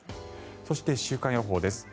そして、週間予報です。